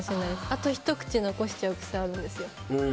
あと、ひと口残しちゃう癖あるんですよ。